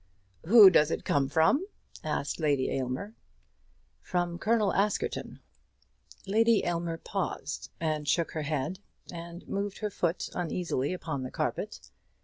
"Who does it come from?" asked Lady Aylmer. "From Colonel Askerton." Lady Aylmer paused, and shook her head, and moved her foot uneasily upon the carpet.